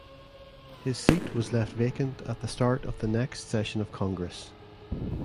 His seat was left vacant at the start of the next session of Congress.